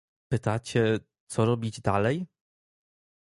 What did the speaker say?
Pytacie, co robić dalej?